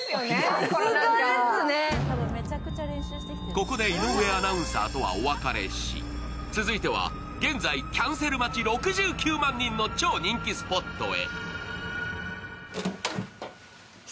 ここで井上アナウンサーとはお別れし、続いては現在キャンセル待ち６９万人の超人気スポットへ。